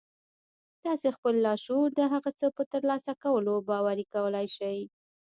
تاسې خپل لاشعور د هغه څه په ترلاسه کولو باوري کولای شئ